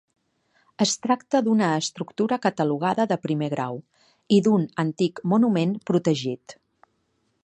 Es tracta d'una estructura catalogada de primer grau i d'un antic monument protegit.